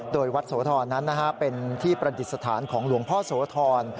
โดยวัดโสธรนั้นเป็นที่ประดิษฐานของหลวงพ่อโสธร